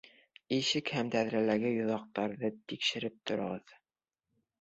Ишек һәм тәҙрәләге йоҙаҡтарҙы тикшереп тороғоҙ.